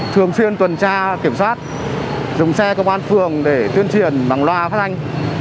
thường xuyên tuần tra kiểm soát dùng xe công an phường để tuyên truyền bằng loa khách anh